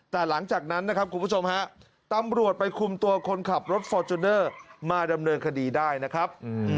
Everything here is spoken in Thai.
แต่หลังจากนั้นนะครับคุณผู้ชมฮะตำรวจไปคุมตัวคนขับรถฟอร์จูเนอร์มาดำเนินคดีได้นะครับ